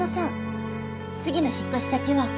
次の引っ越し先は。